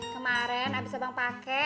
kemaren abis abang pake